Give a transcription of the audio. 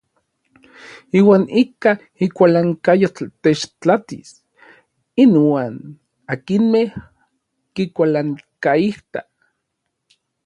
Iuan ika ikualankayo techtlatis inuan n akinmej kikualankaitaj.